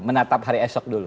menatap hari esok dulu